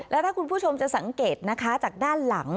แล้วถ้าคุณผู้ชมจะสังเกตนะคะจากด้านหลัง